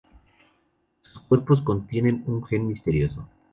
Sus cuerpos contienen un gen misterioso.